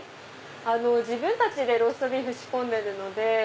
自分たちでローストビーフ仕込んでるので。